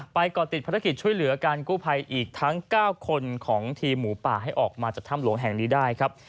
ก่อติดภารกิจช่วยเหลือการกู้ภัยอีกทั้ง๙คนของทีมหมูป่าให้ออกมาจากถ้ำหลวงแห่งนี้ได้ครับ